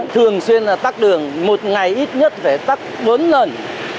thường xuyên là tắt đường một ngày ít nhất phải tắt bốn lần